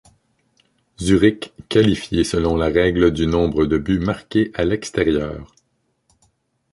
Zürich qualifié selon la règle du nombre de buts marqués à l'extérieur.